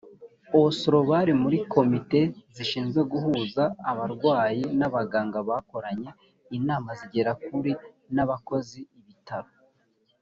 oslo bari muri komite zishinzwe guhuza abarwayi n abaganga bakoranye inama zigera kuri n abakozi ibitaro